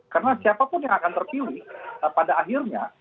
karena siapapun yang akan terpilih pada akhirnya